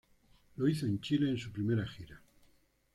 Lo hizo en Chile en su primera gira.